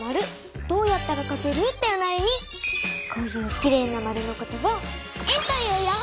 こういうきれいなまるのことを円と言うよ。